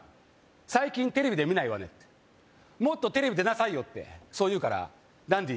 「最近テレビで見ないわね」って「もっとテレビ出なさいよ」ってそう言うからダンディ